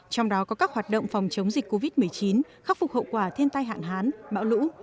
trong đó có các hoạt động phòng chống dịch covid một mươi chín khắc phục hậu quả thiên tai hạn hán bão lũ